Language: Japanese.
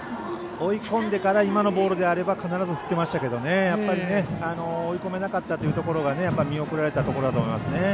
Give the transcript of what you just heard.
追い込んでから今のボールであれば振っていましたけど追い込めなかったというところが見送られたところですね。